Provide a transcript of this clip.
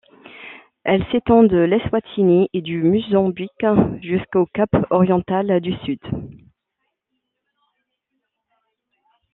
Elle s'étend de l'Eswatini et du Mozambique jusqu'au Cap-Oriental au sud.